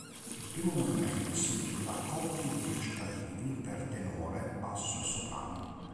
Il primo movimento è seguito da coppie di recitativi per tenore, basso e soprano.